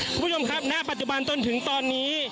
คุณผู้ชมครับณปัจจุบันจนถึงตอนนี้